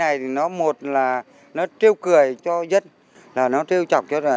cái ý nghĩa của các vai này thì nó một là nó trêu cười cho dân là nó trêu chọc cho dân